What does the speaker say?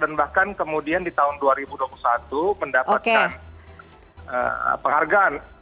dan bahkan kemudian di tahun dua ribu dua puluh satu mendapatkan penghargaan